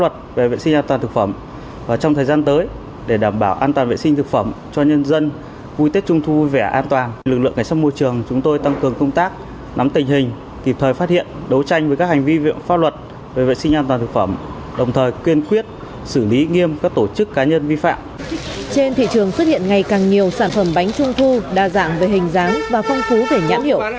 trên thị trường xuất hiện ngày càng nhiều sản phẩm bánh trung thu đa dạng về hình dáng và phong phú để nhãn hiểu